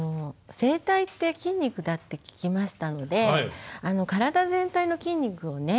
声帯って筋肉だって聞きましたので体全体の筋肉をね